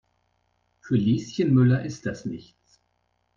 Für Lieschen Müller ist das nichts.